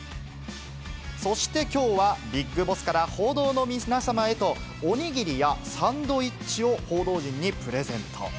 そしてきょうは、ビッグボスから報道の皆様へと、お握りやサンドイッチを報道陣にプレゼント。